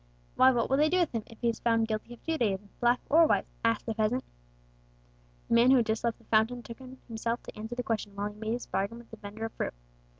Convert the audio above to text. "Why, what will they do with him, if he is found guilty of Judaism, black or white?" asked the peasant. The man who had just left the fountain took on himself to answer the question, while he made his bargain with the vendor of fruit.